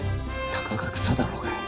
たかが草だろうが。